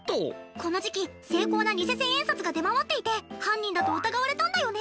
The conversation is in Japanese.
この時期精巧な偽千円札が出回っていて犯人だと疑われたんだよね。